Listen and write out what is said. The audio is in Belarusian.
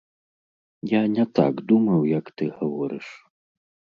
Я не так думаў, як ты гаворыш.